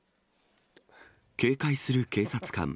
警戒する警察官。